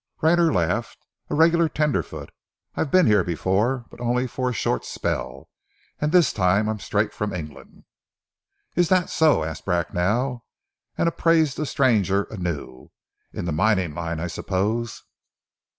Rayner laughed. "A regular tenderfoot. I've been here before, but only for a short spell, and this time I'm straight from England." "Is that so?" asked Bracknell, and appraised the stranger anew. "In the mining line, I suppose?"